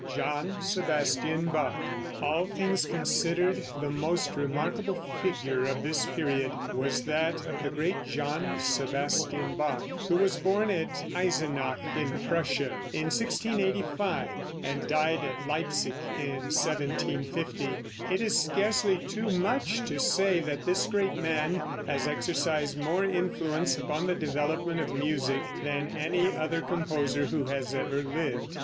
JOHN SEBASTIAN BACH. All things considered, the most remarkable figure of this period was that of the great John Sebastian Bach, who was born at Eisenach, in Prussia, in 1685, and died at Leipsic in 1750. It is scarcely too much to say that this great man has exercised more influence upon the development of music than any other composer who has ever lived.